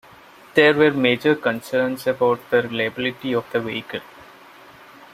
There were major concerns about the reliability of the vehicle.